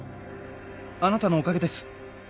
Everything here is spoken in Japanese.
あなたのおかげです